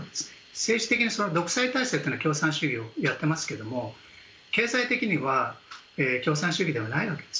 政治的な独裁体制は共産主義をやっていますけど経済的には共産主義ではないわけです。